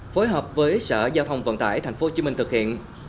phối hợp với sở giao thông vận tải thành phố hồ chí minh thực hiện